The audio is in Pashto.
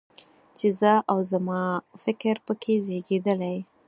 چې زه او زما فکر په کې زېږېدلی.